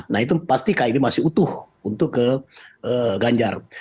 nah itu pasti kib masih utuh untuk ke ganjar